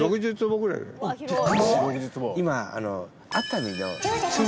今。